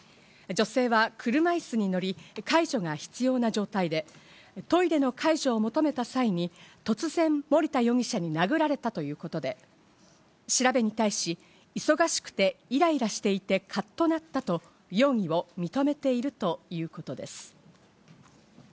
女性は車いすに乗り、介助が必要な状態で、トイレの介助を求めた際に突然、森田容疑者に殴られたということで調べに対し、忙しくてイライラしていてかっとなったと容疑を認めているということです。